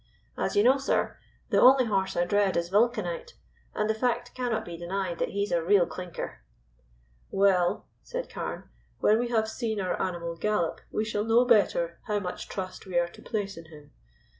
As you know, sir, the only horse I dread is Vulcanite, and the fact cannot be denied that he's a real clinker." "Well," said Carne, "when we have seen our animal gallop we shall know better how much trust we are to place in him.